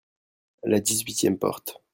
la dix-huitième porte.